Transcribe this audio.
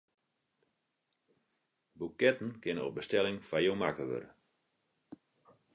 Boeketten kinne op bestelling foar jo makke wurde.